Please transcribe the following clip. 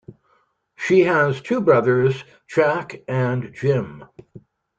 She has two brothers, Jack and Jim.